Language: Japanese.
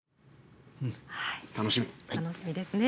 楽しみですね。